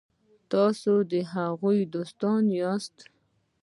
تاسي د هغوی دوستان یاست.